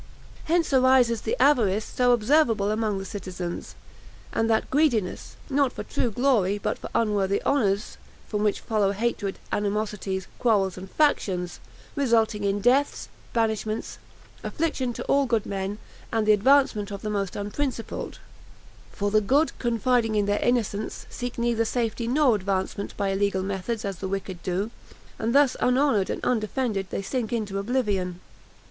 Hence arises the avarice so observable among the citizens, and that greediness, not for true glory, but for unworthy honors; from which follow hatred, animosities, quarrels, and factions; resulting in deaths, banishments, affliction to all good men, and the advancement of the most unprincipled; for the good, confiding in their innocence, seek neither safety nor advancement by illegal methods as the wicked do, and thus unhonored and undefended they sink into oblivion.